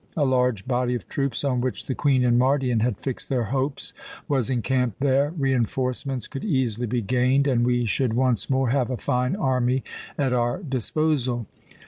A large body of troops on which the Queen and Mardion had fixed their hopes was encamped there. Reinforcements could easily be gained and we should once more have a fine army at our disposal."